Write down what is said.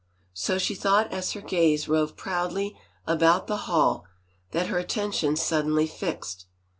So she thought as her gaze roved proudly about the hall; then her attention suddenly fixed.